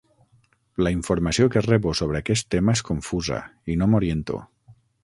La informació que rebo sobre aquest tema és confusa i no m'oriento.